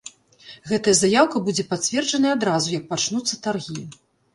Гэтая заяўка будзе пацверджаная адразу, як пачнуцца таргі.